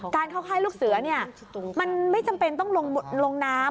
เข้าค่ายลูกเสือมันไม่จำเป็นต้องลงน้ำ